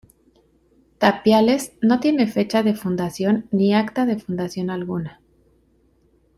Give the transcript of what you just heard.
Tapiales no tiene fecha de fundación ni acta de fundación alguna.